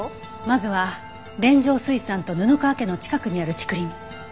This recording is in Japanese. まずは連城水産と布川家の近くにある竹林。